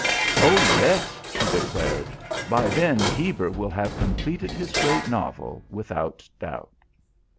"Oh, yes," she declared, "by then Heber will have completed his great novel, without doubt."